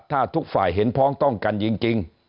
ถ้าทุกฝ่ายเห็นพ้องต้องกันจริง